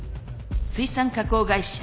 水産加工会社。